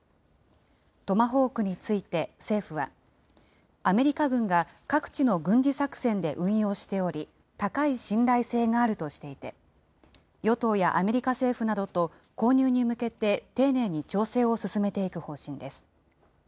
トマホークについて政府は、アメリカ軍が各地の軍事作戦で運用しており、高い信頼性があるとしていて、与党やアメリカ政府などと購入に向けて丁寧に調整を進めていく方針です。